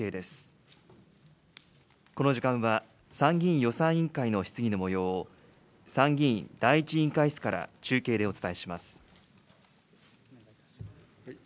この時間は、参議院予算委員会の質疑のもようを、参議院第１委員会室から中継でお伝えします。